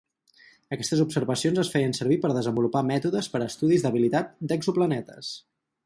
Aquestes observacions es feien servir per desenvolupar mètodes per a estudis d'habitabilitat d'exoplanetes.